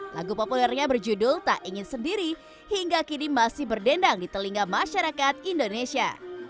lagu populernya berjudul tak ingin sendiri hingga kini masih berdendang di telinga masyarakat indonesia